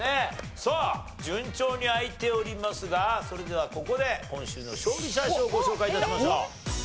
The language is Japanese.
さあ順調に開いておりますがそれではここで今週の勝利者賞ご紹介致しましょう。